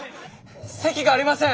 席がありません。